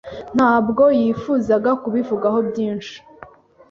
Ntabwo yifuzaga kubivugaho byinshi.